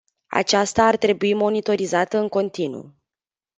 Aceasta ar trebui monitorizată în continuu.